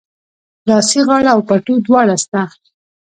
لاسي غاړه او پټو دواړه سته